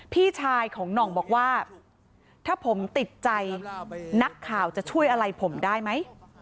พี่ชายของหน่องบอกว่าถ้าผมติดใจนักข่าวจะช่วยอะไรผมได้ไหม